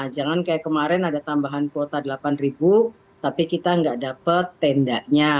jangan kayak kemarin ada tambahan kuota delapan ribu tapi kita nggak dapat tendanya